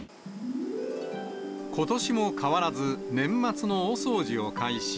ことしも変わらず、年末の大掃除を開始。